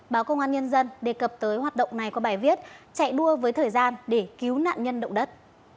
báo công an nhân dân đề cập tới hoạt động này có bài viết chạy đua với thời gian để cứu nạn nhân động đất